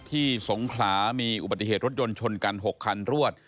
สงขลามีอุบัติเหตุรถยนต์ชนกัน๖คันรวด